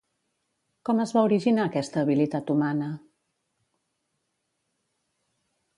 Com es va originar aquesta habilitat humana?